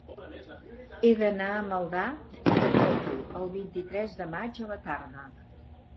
He d'anar a Maldà amb moto el vint-i-tres de maig a la tarda.